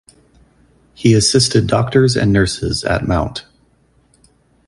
He assisted doctors and nurses at Mt.